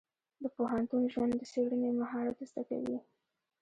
د پوهنتون ژوند د څېړنې مهارت زده کوي.